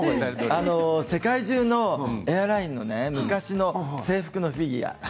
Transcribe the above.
世界中のエアラインの昔の制服のフィギュア。